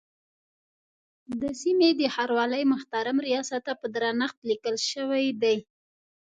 د سیمې د ښاروالۍ محترم ریاست ته په درنښت لیکل شوی دی.